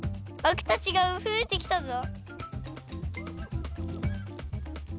アクたちがふえてきたぞ。